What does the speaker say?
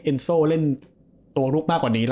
เอนโซเล่นรุ้นมากกว่านี้